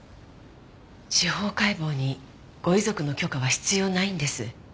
司法解剖にご遺族の許可は必要ないんです。